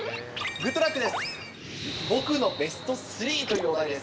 グッドラックです。